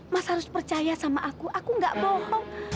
mas harus percaya sama aku aku gak bohong